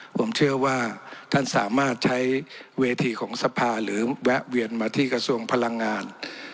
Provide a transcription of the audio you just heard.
ผมเชื่อว่าท่านสามารถใช้เวทีของสภาหรือแวะเวียนมาที่กระทรวงพลังงาน